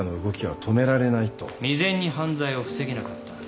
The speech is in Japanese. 未然に犯罪を防げなかった。